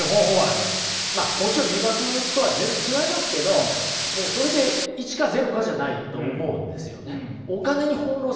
まあもちろん留学とは全然違いますけどそれで１か０かじゃないと思うんですよね。